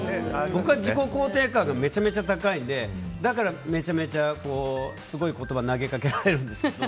僕は自己肯定感がめちゃめちゃ高いのでだからめちゃめちゃすごい言葉を投げかけられるんですけど。